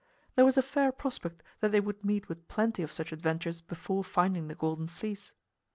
There was a fair prospect that they would meet with plenty of such adventures before finding the Golden Fleece.